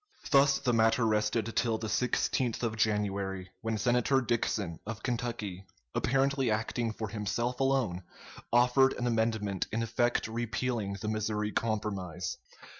] Thus the matter rested till the 16th of January, when Senator Dixon, of Kentucky, apparently acting for himself alone, offered an amendment in effect repealing the Missouri Compromise.